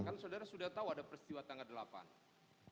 kan saudara sudah tahu ada peristiwa tanggal delapan